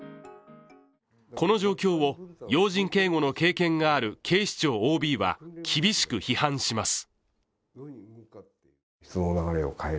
この状況を、要人警護の経験がある警視庁ＯＢは厳しく批判します。